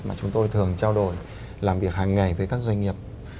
mà chúng tôi thường trao đổi làm việc hàng ngày với các doanh nghiệp